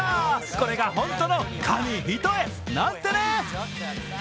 これが本当の髪一重、なんてね。